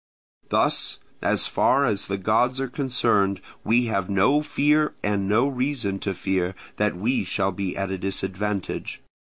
Thus, as far as the gods are concerned, we have no fear and no reason to fear that we shall be at a disadvantage.